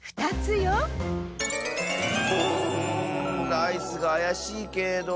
ライスがあやしいけど。